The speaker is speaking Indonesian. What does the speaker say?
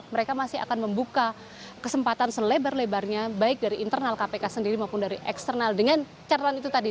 mereka masih akan membuka kesempatan selebar lebarnya baik dari internal kpk sendiri maupun dari eksternal dengan catatan itu tadi